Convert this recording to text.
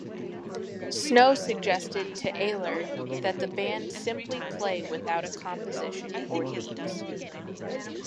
Snow suggested to Ayler that the band simply play without a composition or themes.